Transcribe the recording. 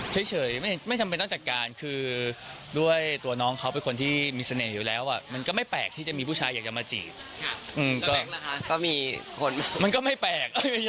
ที่ปิดไปนั้นก็คือ